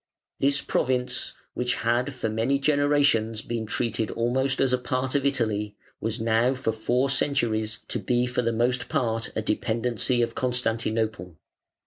This province, which had for many generations been treated almost as a part of Italy, was now for four centuries to be for the most part a dependency of Constantinople.